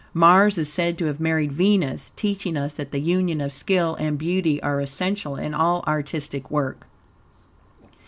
Mars is said to have married Venus, teaching us that the union of skill and beauty are essential in all artistic work.